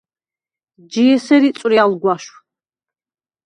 ჯი ესერ იწვრი ალ გვაშვ.